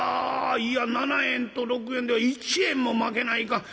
いや７円と６円では１円もまけないかん。